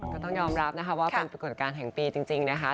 ก็ต้องยอมรับนะคะว่าเป็นปรากฏการณ์แห่งปีจริงนะคะ